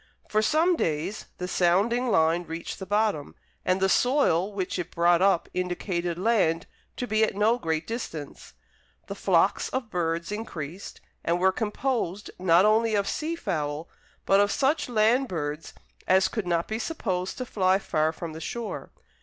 For some days the sounding line reached the bottom, and the soil which it brought up indicated land to be at no great distance. The flocks of birds increased, and were composed not only of sea fowl, but of such land birds as could not be supposed to fly far from the shore.